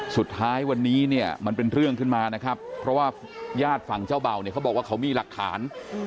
สุดท้ายวันนี้เนี่ยมันเป็นเรื่องขึ้นมานะครับเพราะว่าญาติฝั่งเจ้าเบาเนี่ยเขาบอกว่าเขามีหลักฐาน